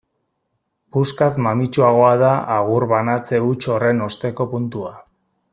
Puskaz mamitsuagoa da agur banatze huts horren osteko puntua.